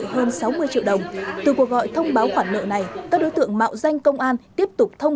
hơn sáu mươi triệu đồng từ cuộc gọi thông báo khoản nợ này các đối tượng mạo danh công an tiếp tục thông